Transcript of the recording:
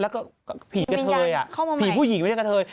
แล้วก็ผีกระเทยผีผู้หญิงไม่ใช่กะเทย